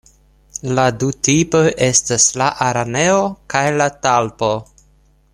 La du tipoj estas la „araneo“ kaj la „talpo“.